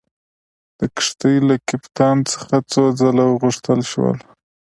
د کښتۍ له کپټان څخه څو ځله وغوښتل شول.